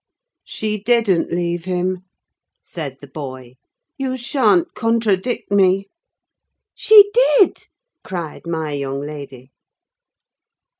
"She didn't leave him," said the boy; "you sha'n't contradict me." "She did," cried my young lady.